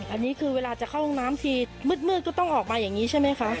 อันนี้คือเวลาจะเข้าห้องน้ำทีมืดก็ต้องออกมาอย่างนี้ใช่ไหมคะ